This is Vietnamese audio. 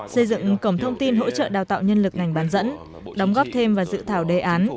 xây dựng cổng thông tin hỗ trợ đào tạo nhân lực ngành bán dẫn đóng góp thêm và dự thảo đề án